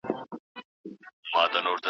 د دې نظر اصل د الله عزوجل احکام او اياتونه دي.